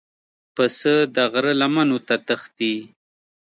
پسه د غره لمنو ته تښتي.